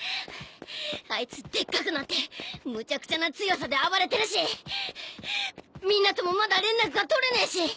あいつでっかくなってむちゃくちゃな強さで暴れてるしみんなともまだ連絡が取れねえし。